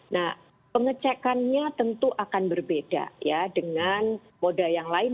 nah pengecekannya tentu akan berbeda ya dengan moda yang lain